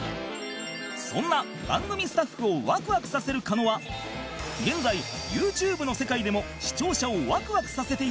そんな番組スタッフをワクワクさせる狩野は現在 ＹｏｕＴｕｂｅ の世界でも視聴者をワクワクさせている